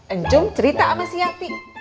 encung cerita sama si yapi